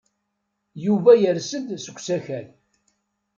Yuba yers-d seg usakal.